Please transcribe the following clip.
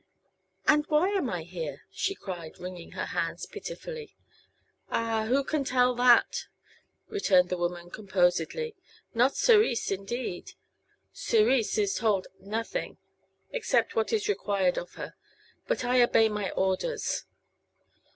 "And why am I here?" she cried, wringing her hands pitifully. "Ah, who can tell that?" returned the woman, composedly. "Not Cerise, indeed. Cerise is told nothing except what is required of her. I but obey my orders."